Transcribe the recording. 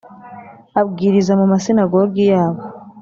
Abwiriza mu masinagogi yabo